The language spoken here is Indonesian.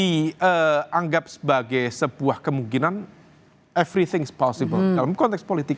kita anggap sebagai sebuah kemungkinan everything is possible dalam konteks politik